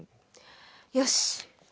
よし。